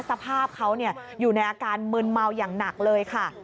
สภาพเขาอยู่ในอาการมึนเมาอย่างหนักเลยค่ะ